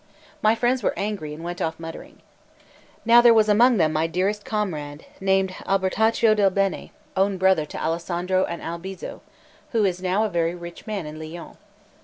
My friends were angry and went off muttering. Now there was among them my dearest comrade, named Albertaccio del Bene, own brother to Alessandro and Albizzo, who is now a very rich man in Lyons.